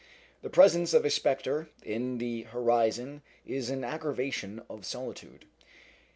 The presence of a spectre in the horizon is an aggravation of solitude.